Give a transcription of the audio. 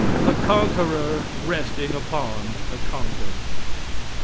The conqueror resting upon the conquered.